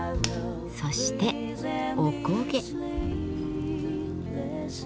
そしておこげ。